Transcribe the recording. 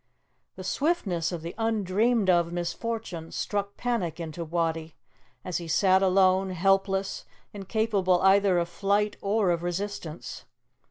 The swiftness of the undreamed of misfortune struck panic into Wattie, as he sat alone, helpless, incapable either of flight or of resistance.